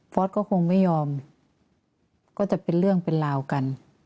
สก็คงไม่ยอมก็จะเป็นเรื่องเป็นราวกัน